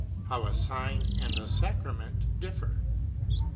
How a sign and a Sacrament differ.